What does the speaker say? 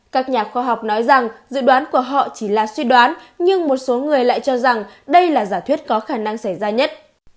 các nhà khoa học nói rằng dự đoán của họ chỉ là suy đoán nhưng một số người lại cho rằng đây là giả thuyết có khả năng xảy ra nhất